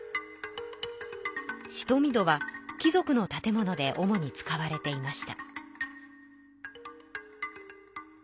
しとみ戸は貴族の建物で主に使われていました。